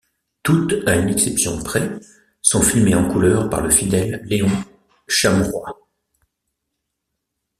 Toutes, à une exception près, sont filmées en couleurs par le fidèle Leon Shamroy.